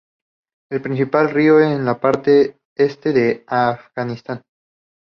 Es el principal río en la parte este de Afganistán.